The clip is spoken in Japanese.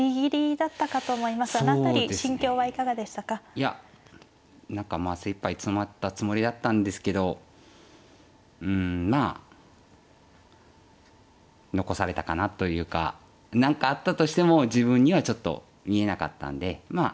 いや何かまあ精いっぱい迫ったつもりだったんですけどうんまあ残されたかなというか何かあったとしても自分にはちょっと見えなかったんでまあ